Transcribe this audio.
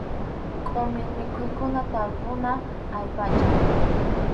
Qʼumir mikhuykuna tarpuna allpacha.